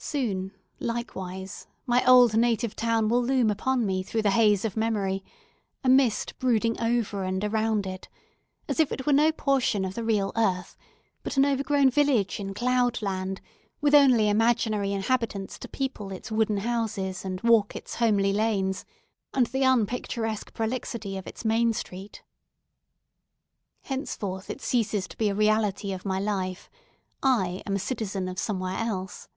Soon, likewise, my old native town will loom upon me through the haze of memory, a mist brooding over and around it; as if it were no portion of the real earth, but an overgrown village in cloud land, with only imaginary inhabitants to people its wooden houses and walk its homely lanes, and the unpicturesque prolixity of its main street. Henceforth it ceases to be a reality of my life; I am a citizen of somewhere else.